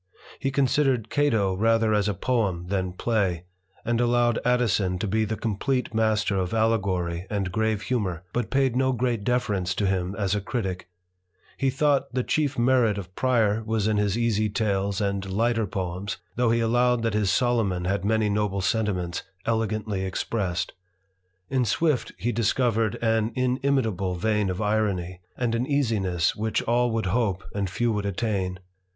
He considered Cato rather as a poem than play, and allowed Addison to be the complete master of allegory and grave humour, but paid no great deference to him as a critick. He thought the chief merit of Prior was in his easy tales and lighter poems, though he allowed that his Solomon had many noble sentiments elegantly expressed. In Swift he discovered an inimitable vein of irony, and an easiness which all would hope and few would attain.